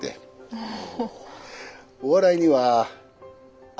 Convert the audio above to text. ああ。